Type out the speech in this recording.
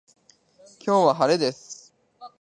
今日は晴れです。